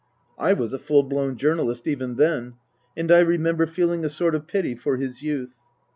I was a full blown journalist even then, and I remember feeling a sort of pity for his youth.